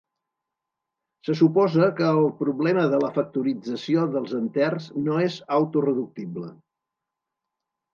Se suposa que el problema de la factorització dels enters no és autoreductible.